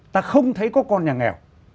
ta không thấy có con nhà nghèo